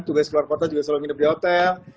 tugas keluar kota juga selalu nginep di hotel